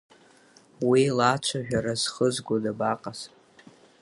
Уи лацәажәара зхызго дабаҟаз!